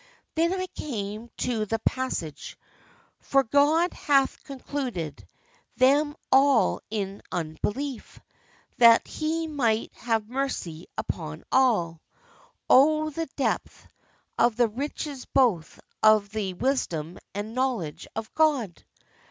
Then I came to the passage, 'For God hath concluded them all in unbelief, that He might have mercy upon all, O the depth of the riches both of the wisdom and knowledge of God!